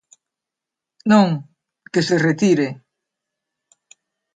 Non, que se retire.